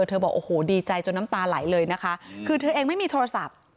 เธอบอกโอ้โหดีใจจนน้ำตาไหลเลยนะคะคือเธอเองไม่มีโทรศัพท์